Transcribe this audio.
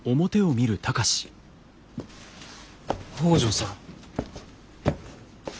北條さん。